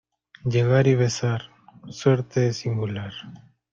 Llegar y besar, suerte es singular.